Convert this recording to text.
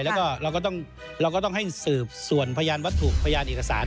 แล้วก็เราก็ต้องให้สืบส่วนพยานวัตถุพยานเอกสาร